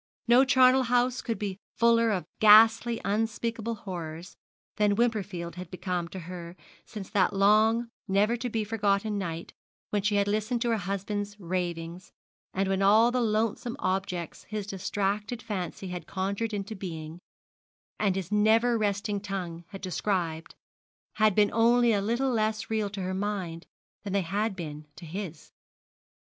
No charnel house could be fuller of ghastly, unspeakable horrors than Wimperfield had become to her since that long, never to be forgotten night when she had listened to her husband's ravings, and when all the loathsome objects his distracted fancy had conjured into being, and his never resting tongue had described, had been only a little less real to her mind than they had been to his.